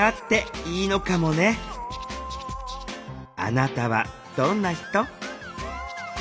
あなたはどんな人？